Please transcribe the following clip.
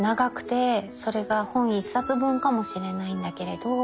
それが本１冊分かもしれないんだけれど。